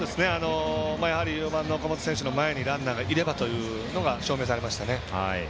やはり、４番の選手の前にランナーがいればというのが証明されましたね。